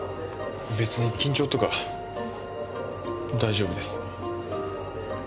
別に緊張とか大丈夫です。